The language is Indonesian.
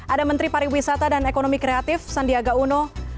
ada menteri pariwisata dan ekonomi kreatif sandiaga uno